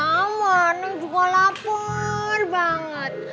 sama neng juga lapar banget